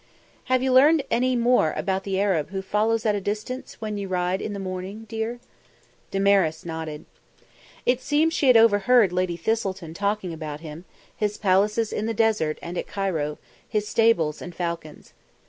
"Have you learned any more about the Arab who follows at a distance when you ride in the morning, dear?" Damaris nodded. It seemed she had overheard Lady Thistleton talking about him; his palaces in the desert and at Cairo; his stables and falcons.